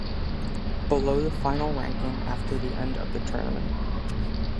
Below the final ranking after the end of the tournament.